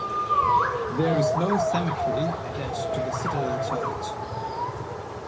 There is no cemetery attached to the Citadel Church.